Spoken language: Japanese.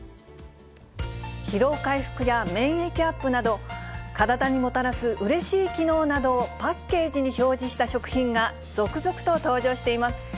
疲労回復や免疫アップなど、体にもたらすうれしい機能などをパッケージに表示した食品が、続々と登場しています。